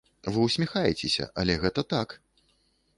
Вы ўсміхаецеся, але гэта так!